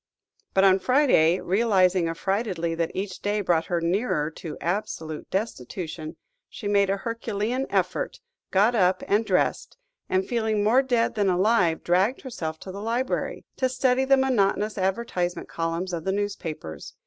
But on Friday, realising affrightedly that each day brought her nearer to absolute destitution, she made a herculean effort, got up and dressed, and, feeling more dead than alive, dragged herself to the library, to study the monotonous advertisement columns of the newspapers.